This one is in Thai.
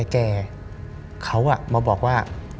แก่เขามาบอกว่า